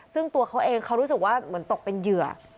ซึ่งตัวเขาเองเขารู้สึกว่าเหมือนตกเป็นเหยื่อ